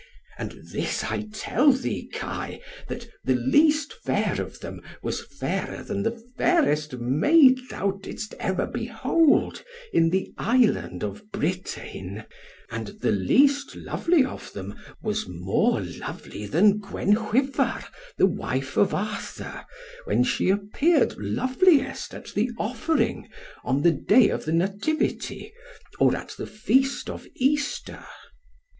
And this I tell thee, Kai, that {18b} the least fair of them was fairer than the fairest maid thou didst ever behold, in the Island of Britain; and the least lovely of them was more lovely than Gwenhwyvar, the wife of Arthur, when she appeared loveliest at the Offering, on the day of the Nativity, or at the feast of Easter.